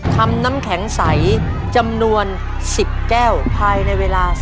ทำน้ำแข็งไสจำนวน๑๐แก้วภายในเวลา๓นาที